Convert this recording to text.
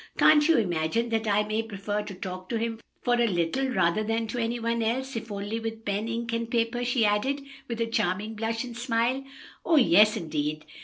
Can't you imagine that I may prefer to talk to Mm for a little rather than to any one else, even if only with pen, ink and paper?" she added, with a charming blush and smile. "Oh, yes, indeed!